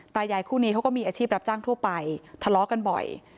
ตายายคู่นี้เขาก็มีอาชีพรับจ้างทั่วไปทะเลาะกันบ่อย